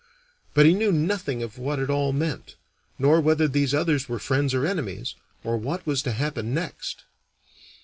But he knew nothing of what it all meant, nor whether these others were friends or enemies, or what was to happen next.